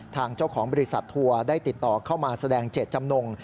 ทางเจ้าของบริษัททัวร์ได้ติดต่อเข้ามาแสดงเจตจำนง